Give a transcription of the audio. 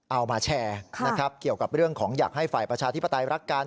เอามาแชร์นะครับเกี่ยวกับเรื่องของอยากให้ฝ่ายประชาธิปไตยรักกัน